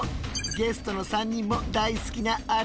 ゲストの３人も大好きなあれじゃ。